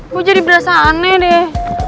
bu jadi berasa aneh deh